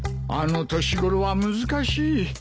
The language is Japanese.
あの年頃は難しい。